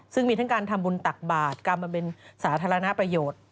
ซึ่งมีทั้งการทำบุญตักบาทการบำเพ็ญสาธารณประโยชน์